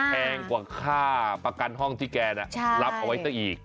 แพงกว่าค่าประกันห้องที่แกรับเอาไว้ซะอีก